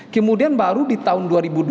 kemudian baru di tahun dua ribu dua puluh